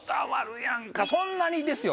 そんなにですよ